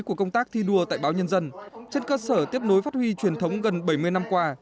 của công tác thi đua tại báo nhân dân trên cơ sở tiếp nối phát huy truyền thống gần bảy mươi năm qua